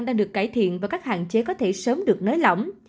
đang được cải thiện và các hạn chế có thể sớm được nới lỏng